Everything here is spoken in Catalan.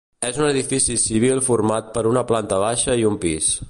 És un edifici civil format per una planta baixa i un pis.